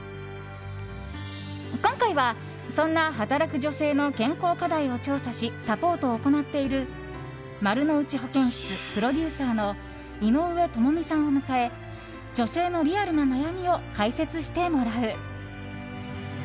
今回は、そんな働く女性の健康課題を調査しサポートを行っているまるのうち保健室プロデューサーの井上友美さんを迎え女性のリアルな悩みを解説してもらう。